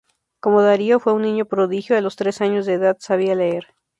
Como Dario, fue un niño prodigio, a los tres años de edad sabía leer.